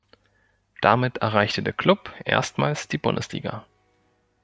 Damit erreichte der Klub erstmals die Bundesliga.